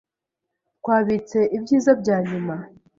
Twabitse ibyiza byanyuma.